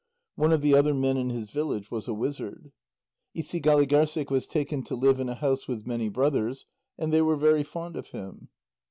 One of the other men in his village was a wizard. Isigâligârssik was taken to live in a house with many brothers, and they were very fond of him.